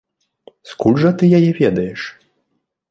Скуль жа ты яе ведаеш?